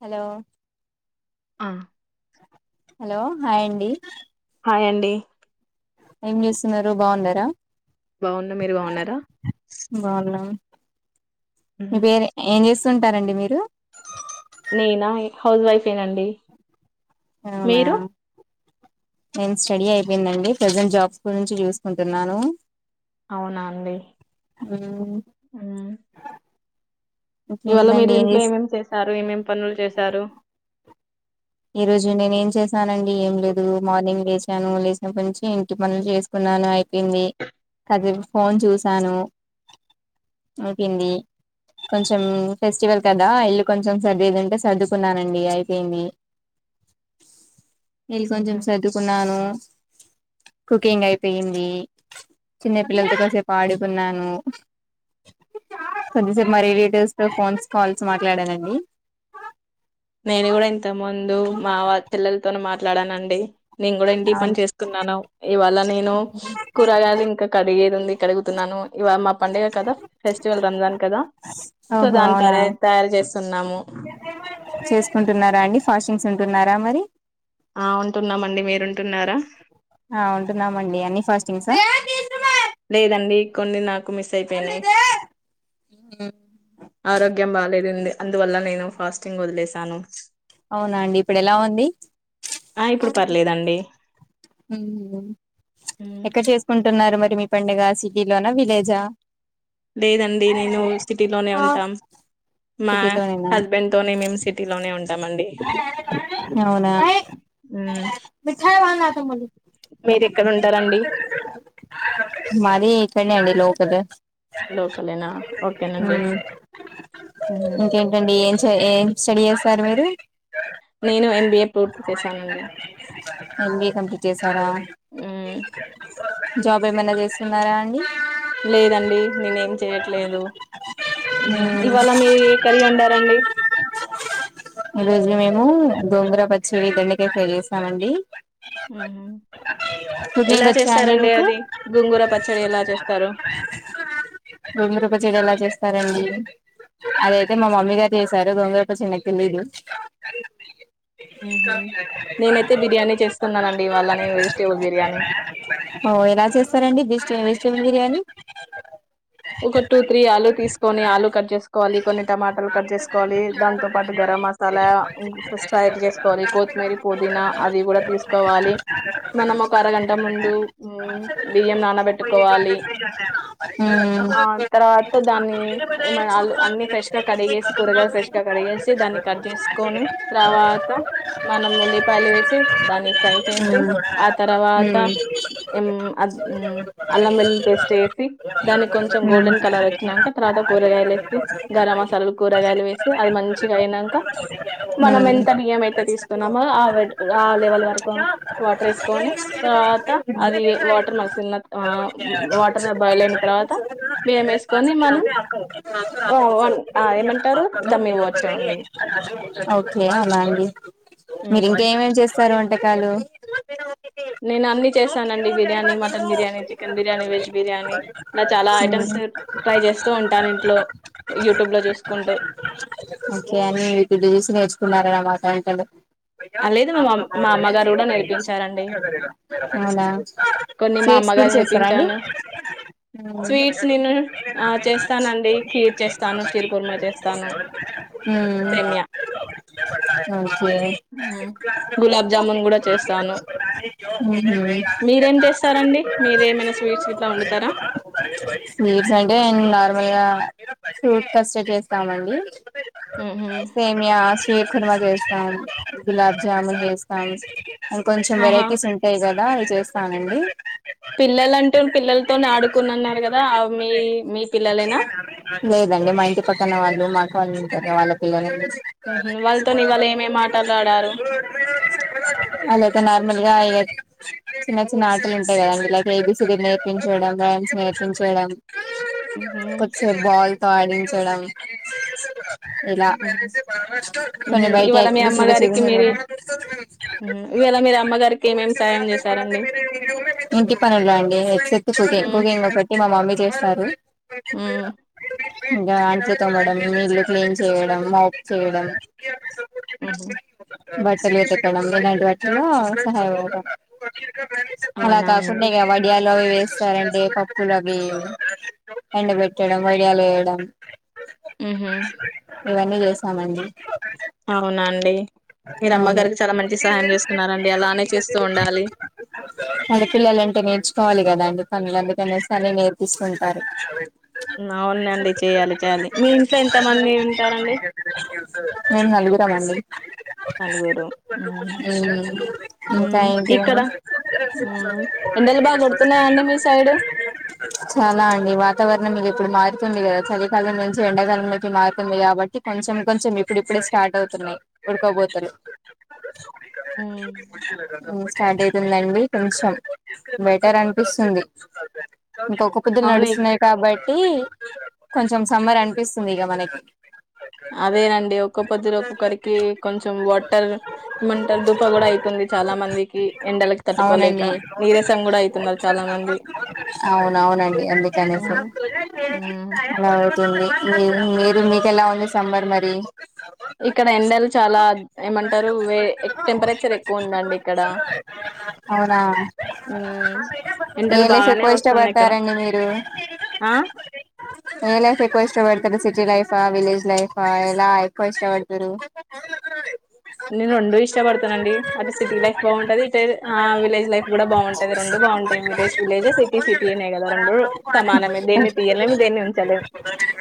Hello ఆ hello, hi అండి. Hi అండి. ఏం చేస్తున్నరు? బాగున్నరా? బాగున్న, మీరు బాగున్నరా? బాగున్నాం మీ పేరు? ఏం చేస్ స్తుంటారండి మీరు? నేనా? ఇ హౌస్ వైఫే నండి. నవునా నేన్ స్సడీ అయిపెయిందండి ప్రెజెంట్ జాబ్స్ గురించి చూసుకుంటున్నాను. అవునా అండి. ఊ హ్మ్. ఇవాళ మీరు ఇంట్లో ఏమేం చేశారు? ఏమేం పనులు చేశారు? ఈ రోజు నేను ఏం చేసానండి, ఏం లేదు మార్నింగ్ లేస్ సా, లేచినప్ప నుంచి ఇంటి పనులు చేసుకున్నాను అయిపోయింది. కాసేపు ఫోన్ చూసాను అయిపోయింది. కొంచెం ఫెస్టివల్ కదా ఇల్లు కొంచెం సర్దిదుంటే సర్దుకున్నానండి అయిపోయింది. నీళ్ కొంచెం హుహు. సద్దుకున్నాను. కుకింగ్ అయిపెయింది. చిన్న పిల్లల్తో కాసేపు ఆడుకున్నాను, కొద్దిసేపు మరి ఓహ్! రిటివ్స్ తో ఫోన్స్ కాల్స్ మాట్లాడానండి. నేను గుడా ఇంత ముందు మా వాళ్ చెల్లెలతోను మాట్లాడానండి. నేంకూడా ఇంటి అవును పన్ చేసుకున్నాను, ఇవాళ నేను కూరగాయలింక కడిగేదివుంది. కడుగుతున్నాను. ఇవా మా పండగ కదా ఫెస్టివల్ రమ్జాన్ కదా, సో ఓహో దాన అవునా తరే తయారు చేస్సున్నాము. చేసుకుంటున్నారా అండి ఫాస్టింగ్స్ ఉంటున్నారా మరి ఆ ఉంటున్నామండి మీరుంటున్నారా. ఫాస్టింగ్ స లేదండి కొన్ని నా కు మిస్ అయ్ పెయ్ నయ్, ఆరోగ్యం బాలేదుంది. అందువల్ల నేను ఫాస్టింగ్ వదిలేశాను. అవునా అండి ఇప్పుడు ఎలా ఉంది. ఆ ఇప్పుడు పర్లేదండి. ఎక్కడ చేసుకుంన్ ంటున్నారు మరి మీ పండగ సిటీలోన, విలేజా లేదండి నేను సిటీలోనే ఉంటాం, మా సిటీలోనేనా హస్బెంన్ తోనే మేము సిటీలోనే ఉంటాం అండి. అవునా హు మరి ఇక్ ఇడ్నె అండి లోకలె లోకలేనా ఓకేనండి. ఉ తే ఏం స్టడీ ఏసారు మీరు నేను ఎంబీఏ పూర్తి చేశానండి. చేసావా జాబ్ ఏమైనా చేస్సున్నారా అండి. లేదండి నేనే ఏం చేయట్లేదు, హుమ్ ఇవాళ మీ ఏ కర్రీ వండారండి. ఉమ్ దొంగర పచ్చడి దెండకాయ ఫై చేస్తామండి ఉహు, ఎలా వచ్చా అండి చేస్సారండి మీకు అది గుంగుర పచ్చడి ఎలా చేస్తారు. గోంగూర అదిఐతే మా మమ్మీ గారు చేసార్. దోగోంగుర పచ్చన్ నాక్ లేలీదు. ఉహుమ్ నేనైతే బిర్యానీ చేస్తా స్తున్నానండి వాళ్ళ నేను వెజిటేబుల్ బిర్యానీ చికెన్ బిర్యానీ ఒక టూ త్రీ ఆలు తీసుకొని ఆలు కట్ చేసుకోవాలి కొన్ని టమాటాలు కట్ చేసుకోవాలి దాంతో పాటు గరం మసాలా స్ట్రేయెట్ చేసుకోవాలి కొత్తిమీర పుదీనా అది కూడా తీసుకో కోవాలి మనం ఒక అరగంట ముందు ఉమ్ బియ్యం నానబెట్టుకోవాలి ఆ తర్వాత దాన్ని అన్ని ఫ్రెష్ గా కరిగేసి కూరగాయలు ఫ్రెష్గా కడిగేసి దాన్ని కట్ చేసుకొని తర్వాత మనం ఉల్లిపాయలు వేసి దాన్ని ఫ్రై చేస్తే ఆ తర్వాత మ్మ్ ఉమ్ ఉమ్ అల్లం వెల్లులి పేస్ట్ వేసి దానికి కొంచెం మ్మ్ గోల్డెన్ కలర్ వచ్చాక తర్వాత కూరగాయలు వేసి గరం మసాలాల కూరగాయలు వేసి అది మంచిగా అయినాక మనం మ్మ్ ఎంత బియ్యం అయితే తీసుకున్నామో ఆ ఆ లెవెల్ వరకు కా వాటర్ వేసుకొని తర్వాత అది వాటర్ మల్సిన్న ఆ ఉమ్ వాటర్ బాయిల్ అయిన తర్వాత బియ్యం వేసుకొని మనం ఆ వన్ ఆ ఏమంటారు దమ్ ఇవ్వచ్చు అండి ఓకే అలా అండి మీరు ఇంక ఉమ్. ఏమేమి చేస్త సరంటే కలు నేను అన్ని చేస్తానండి biryani mutton biryani chicken biryani veg biryani ఇలా చాలా ఉమ్ ఐటమ్స్ ట్రై చేస్తూ ఉంటాను ఇంట్లో యూట్యూబ్ లో చూసుకుంటూ థాయింకాడు ఆ లేదు మామ్ మా అమ్మగారు కూడా నేర్పించారండి అవునా కొన్ని మా స్వీట్స్ కుడా అమ్మగారు చేస్తారా అండి నేర్పించాను ఉమ్ స్వీట్స్ నేను ఆ చేస్తానండి ఖీర్ చేస్తాను షీర్ కుర్మా చేస్తాను సేమ్యా ఓకే ఉమ్ గులాబజాన్ గు డా చెస్థాను మీరేం చేస్తారండి మీరు ఏమైనా స్వీట్స్లా వండుతారా స్వీట్స్ అంటే నార్మల్గా ఫ్రూట్ కస్టర్డ్ చేస్తామండి ఉమ్ ఉ షీర్ ఖుర్మా చేస్తాం గులాబ్ జాముూన్ వేస్తాం ఇంకొంచెం ఆహా వెరైటీస్ ఉంటాయి క దా అది చేస్తానండి పిల్లలంటూ పిల్లలతో ఆడుకునిన్నారు కదా మీ మీ పిల్లలేనా అ వాళ్ళ పిల్లని వాళ్ళతోవాళ ఏమేం మాట్లాలాడారు యితే నార్మల్ గా చిన్న చిన్న ఆటలు ఉంటాయి కదండి like A B C D లు నేర్పించడం రైమ్స్ నేర్పించడం పచ్చే బాల తోడించడం ఇలా కొంచం బయట ఇవాళ మీ అమ్మగారికి మీరు [unintelligible] బ ఇవాళ మీరు అమ్మగారికి ఏమేమి సాయం చేశారండి ఇంటి పని ఉందా అండి ఎత్తి హ్మ్. ప [unintelligible] మా మమ్మీ చేస్తారు హ్మ్ ఇంకా అంట్లుతోమడం ఇల్లు క్లీన్ చేయడం మాబ్ చేయడం ఊహూ బట్టలు ఉతకడం ఇలాంటివ [unintelligible] అలా అవునా కాకుండ అండి ఎవడియాల్ లు అవి వేస్తారండి పప్పులు అవి ఎండ బెట్టడం వడియాలు వేయడం ఊహూ ఇవన్నీ చేశామండి అవునా అండి మీరు అమ్మగారికి చాలా మంచి సహాయం చేస్ ఆడపిల్లలంటే నేర్చుకోవాలి కదా అండి పని వాళ్ళు అందుకనేసి అని నేర్పిస్తుంటారు. అవునండి చేయాలి చేయాలి మీ ఇంట్లో ఎంత మంది ఉంటారండి మేము నలుగురం అండి నలుగురు హ్మ్ హ్మ్ ఇంకా ఏంటి అండి మ్మ్ ఎండలు బాగా కొడుతున్నాయండి మీ సైడ్ చాలా అండి వాతావరణం మీరు ఇప్పుడు మారుతుంది కదా చలికాలం నుంచి ఎండాకాలంలోకి మారుతుంది కాబట్టి కొంచెం కొంచెం ఇప్పుడు ఇప్పుడే స్టార్ట్ అవుతున్నాయి ఉడకబోతలు మ్మ్ హ్మ్ స్టార్ట్ అయితుందండి కొంచెం బెటర్ అనిపిస్తుంది ఇంకొక్క పొద్దు అవును ఇ నడుస్తున్నాయి కాబట్టి కొంచెం సమ్మర్ అనిపిస్తుంది ఇక మనకి అదేనండి ఒక్కో పొద్దురు ఒక్కక్కొరికి కొంచెం వాటర్ మ్ ఇర్ దూప కూడా అయితంది చాలా మందికి ఎండలకి తట్టుకోలేక అవునండి నీరసం కూడా అయితున్నారు చాలా మంది అవునవునండి అందుకనేసి అలా అవుతుంది మీరు మీరు మీకెలా ఉంది సమ్మర్ మరి ఇక్కడ ఎక్ టెంపరేచర్ ఎక్కువ ఉందండి ఇక్కడ అవునా హ్మ్ ఎండలు ఏ లైఫ్ బానే ఎక్కువ వస్తున్నా ఇక్కడ ఇష్టపడతారండి మీరు ఏ లైఫ్ ఎక్కువ ఇష్టపడతారు సిటీ లైఫా విలేజ్ లైఫా ఎలా ఎక్కువ ఇష్టపడతరు నేను రెండు ఇష్టపడతానండి అటు సిటీ లైఫ్ బావుంటాది ఇటె ఆ విలేజ్ లైఫ్ కూడా బావుంటాది రొండు బావుంటాయి విలేజ్ విలేజే సిటీ సిటీ నే కదా రొండు సమానమే దేన్ని తీయ్యలేము దేన్ని ఉంచలేము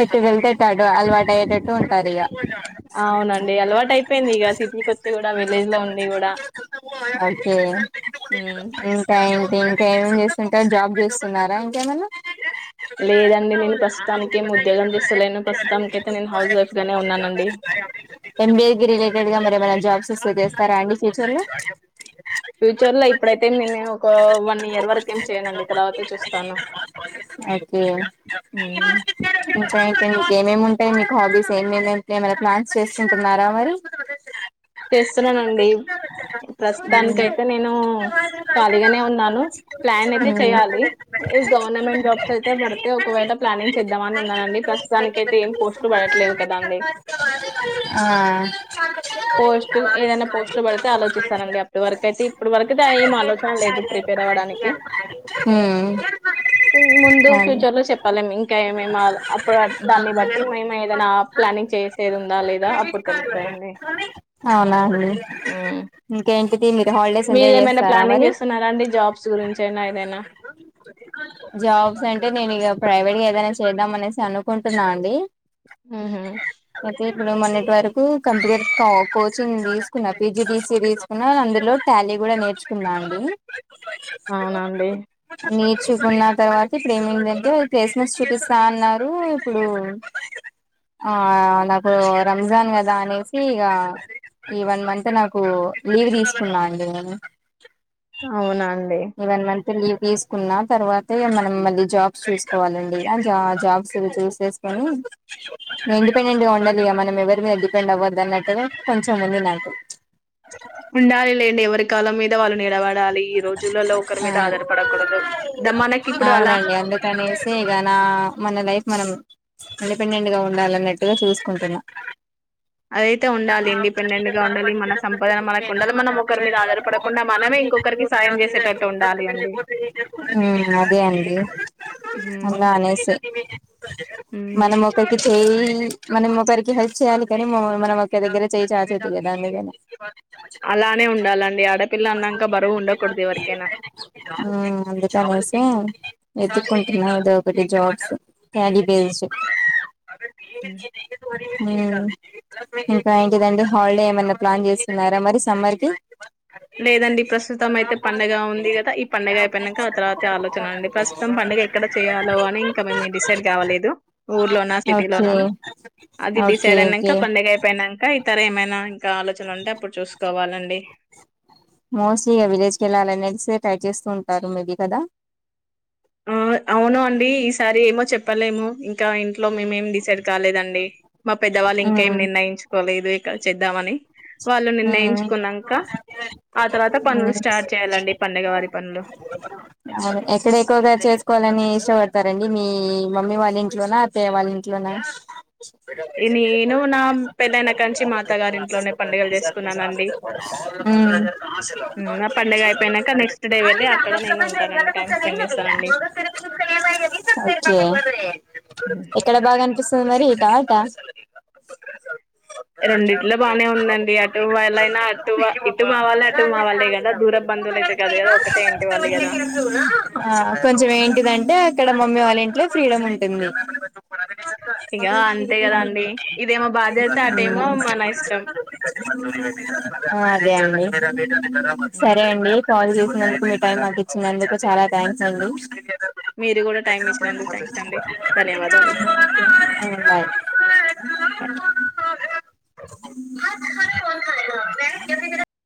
ఎటు వెళ్తే అటు అలవాటు అయ్యేటట్టు ఉంటారు ఇక అవునండి అలవాటు అయిపోయిందిగ సిటీకి వచ్చి కూడా వెల్ ఓకే ఉమ్ ఇంక ఏంటి ఇంకా ఏమేం చేస్తుంటారు జాబ్ చేస్తున్నారా ఇంకేమైనా లేదండి నేను ప్రస్తుతానికి ఏమి ఉద్యోగం చేస్తలేను ప్రస్తుతానికైతే నేను హౌస్ వైఫ్ గానే ఉన్నానండి. ఎంబీఏ కి రిలేటెడ్ గా మరి ఏమైనా జాబ్స్ వస్తే చేస్తారా అండి ఫ్యూచర్ లో ఫ్యూచర్ లో ఇప్పుడైతే నేను ఒక వన్ ఇయర్ వరక ఏం చేయనండి తర్వాత చూస్తాను ఓకే మీకేమేమి ఉంటాయి మీకు హాబీస్ ఏమేమింటాయి ప్లాన్స్ చేస్తుంటున్నారా మరి చేస్తున్నానండి ప్రస్తుతానినికి అయితే నేను ఖాళీగానే ఉన్నాను ప్లాన్ అయితే ఉమ్, చేయాలి గవర్నమెంట్ జాబ్స్ అయితే పడితే ఒకవేళ ప్లానింగ్ చేద్దామని ఉన్నానండి ప్రస్తుతానికి అయితే ఏం పోస్ట్లు పడట్లేవు కదాండి ఆ ఏదైనా పోస్ట్లు పడితే ఆలోచిస్తానండి అప్పటి వరకు అయితే ఇప్పుడు వరకయితే ఏం ఆలోచన లేదు ప్రిపేర్ అవ్వడానికి హ్మ్ ముందు అదే ఫ్యూచర్ లో చెప్పలేం ఇంకా ఏమే అప్పుడు దాన్ని బట్టి మేము ఏదైనా ప్లానింగ్ చేసేది ఉందా లేదా అప్పుడు తెలుస్తాయండి అవునా అండి ఇంకే ఏంటి దీని మీద హాలిడేస్ ఎంజాయ్ మీరేమైనా చేస్తారా ప్లానింగ్ మరి చేస్తున్నారా అండి జాబ్స్ గురించైనా ఏదైనా ప్రైవేట్ గేదన్న చే చేద్దామనేసి అనుకుంటున్నా అండి డి మ్మ్ హ్మ్ ఇప్పుడు మొన్నటి వరకు కంప్యూటర్ క కోచ్ చింగ్ తీసుకున్నా పిజి తీసి తీసుకున్నా అందులో టాలీ కూడా నేర్చుకున్నా అండి అవునా అండి చూకున్న తర్వాత ఇప్పుడు ఏమైందంటే ప్లేస్మెంట్స్ చూపిస్తా అన్నారు ఇప్పుడు ఆ నా ఓ రంజాన్ కద దానేసిగ ఈ వన్ మంత్ నాకు లీవ్ తీసుకున్నా అండి నేను అవునా అండి వన్ మంత్ లీవ్ తీసుకున్నా తర్వాత మనం మళ్ళీ జాబ్స్ చూసుకోవాలండి ఇ జాబ్స్ చూసేసుకొని ఇండిపెండెంట్ గా ఉండాలిగ మనం ఎవరి మీద డిపెండ్ అవ్వద్దన్నట్టుగ కొంచముంది నాకు ఉండాలి లేండి ఎవరి కాలం మీద వాళ్ళు నిలబడాలి ఈ రోజులలో ఒకరి మీద ఆధారపడకూడదు ద మనకి ఇప్పుడు ఆ అలా అవునండి అందుకనేసి ఇగ నా మన లైఫ్ మనం ఇండిపెండెంట్గా ఉండాలన్నట్టుగా చూసుకుంటున్నా అదయితే ఉండాలి ఇండిపెండెంట్ గా ఉండాలి మన సంపదన మనకు ఉండాలి మనం ఒకరి మీద ఆధారపడకుండా మనమే ఇంకో మ్మ్ అదే అండి హ్మ్. అలా అనేసి హ్మ్. మనం ఒకరికి చెయి మనం ఒకరికి హెల్ప్ చేయాలి కాని మ మనం ఒకరి దగ్గర చేయి చాచద్దు కదా అందుకని అలానే ఉండాలండి ఆడపిల్ల అన్నాక బ హ్మ్ అ చమయ సింగ్ వెతుక్కుంటున్నా ఏదో ఒకటి జాబ్స్ క్యడీ బేస్డ్ అ హ్మ్. ఏ మ్మ్ ఇంకా ఏంటిదంటె హాలిడే ఏమైనా ప్లాన్ చేస్తున్నారా మరి సమ్మర్ కి లేదండి ప్రస్తుతం అయితే పంండగ ఉంది కదా ఈ పంండగ అయిపోయానాక ఆ తర్వాతి ఆలోచన ఉంది ప్రస్తుతం పండగ ఎక్కడ చేయయాలో అని ఇంకా మేము డిసైడ్ కావలేదు ఊర్లోనా ఓకే సిటీలోన అది ఓకే డిసైడ్ అయినాక ఓకే పండడుగ అయిపోయినాక ఏమైనా ఇంకా ఆలోచన లుంటే అప్పుడు చూసుకోవాలండి మోస్ విలేజ్ క వెళ్ళాలనేే ట్రై చేస్తూ ఉంటారు మేబి కదా ఆ అవును అండి ఈసారి ఏమో చెప్పలేము ఇంకా ఇంట్లో మేం ఏం డిసైడ్ కాలేదండి మా పెద్దవాళ్ళు ఇంకా ఉమ్ ఏం నిర్ణయించుకోలేదు చేద్దామని వాళ్ళు ఉమ్ నిర్ణయించుకున్నాక ఆ తర్వాత పనులు ఉమ్ స్టార్ట్ చేయ్యాలండి పండుగ వారి పనులు అవును ఎక్కడ ఎక్కువగా చేసుకోవాలని ఇష్టపడతారండి మీ మమ్మీ వాళ్ళ ఇంట్లోనా అత్తియ వాళ్ళ ఇంట్లోనా నేను నా పెళ్ళన కంచి మాత గారి ఇంట్లోనే పండి హ్మ్, నా పండుగ అయిపోయినాక నెక్స్ట్ డే వెళ్ళి అక్కడ నేను ఉంటానండి టైమ్ స్పెండ్ చేస్తానండి ఉ ఇక్కడ బాగానిపిస్తు మరి ఇట ఆట రెండిట్లో బానే ఉందండి అ అటు మా వాళ్ళే కదా దూర బంధువులు అయితే కాదు కదా ఒకటే ఇంటి వాళ్ళు కదా కొంచం ఏంటింటే అక్కడ ఇడ మమ్మీ వాళ్ళ ఇంట్లో ఫ్రీడమ్ ఉంటుంది ఇక అంతే కదా అండి ఇదేమో బాధ్యత అటేమో మన ఇష్టం [unintelligible] ఆహ అదేనండి సరే అండి కాల్వ్ చేసినందుకు మీ టైం అకు ఇచ్చిందిందుకు చాలా థ్యాంక్స్ అండి మీరు కూడా టైమ్ ఇచ్చినండి థ్యాంక్స్ అండి ధన్యవాదాలు ఆ [unintelligible]